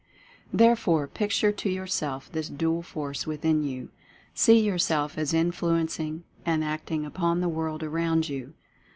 Therefore picture to yourself this Dual Force within you. See yourself as influencing, and acting upon the world around you.